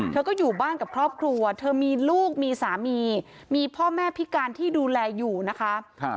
เธอก็อยู่บ้านกับครอบครัวเธอมีลูกมีสามีมีพ่อแม่พิการที่ดูแลอยู่นะคะ